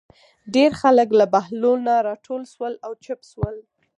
ډېر خلک له بهلول نه راټول شول او چوپ شول.